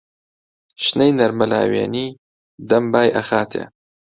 شنەی نەرمە لاوێنی دەم بای ئەخاتێ.